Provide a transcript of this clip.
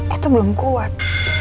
itu belum kuat